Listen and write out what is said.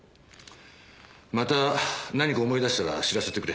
また何か思い出したら知らせてくれ。